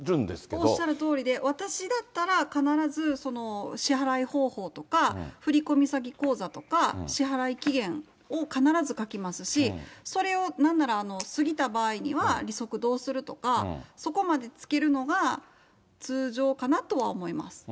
おっしゃるとおりで、私だったら、必ずその支払い方法とか、振込先口座とか、支払い期限を必ず書きますし、それをなんなら過ぎた場合には、利息どうするとか、そこまでつけるのが通常かなとは思います。